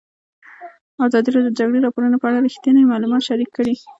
ازادي راډیو د د جګړې راپورونه په اړه رښتیني معلومات شریک کړي.